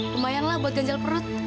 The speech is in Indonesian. lumayanlah buat ganjal perut